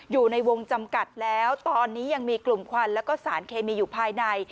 อยู่ในวงจำกัดแล้วตอนนี้ยังมีกลุ่มควันแล้วก็สารเคมีอยู่ภายใน